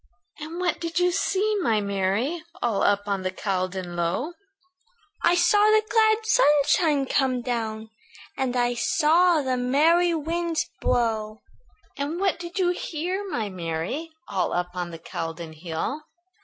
"And what did you see, my Mary, All up on the Caldon Low?" "I saw the glad sunshine come down, And I saw the merry winds blow." "And what did you hear, my Mary, All up on the Caldon hill?"